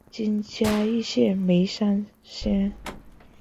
今嘉义县梅山乡。